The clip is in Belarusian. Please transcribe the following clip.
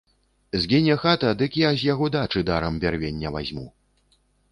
Згніе хата, дык я з яго дачы дарам бярвення вазьму.